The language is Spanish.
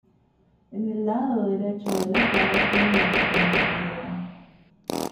En el lado derecho de la cara tiene una pequeña grieta.